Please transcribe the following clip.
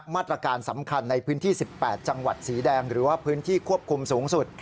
มาตรการสำคัญในพื้นที่๑๘จังหวัดสีแดงหรือว่าพื้นที่ควบคุมสูงสุด